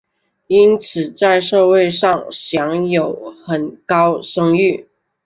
因此在社会上享有很高声誉。